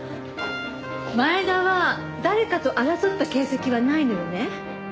前田は誰かと争った形跡はないのよね？